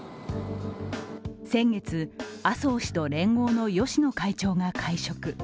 先月、麻生氏と連合の芳野会長が会食。